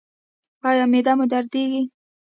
ایا معده مو دردیږي؟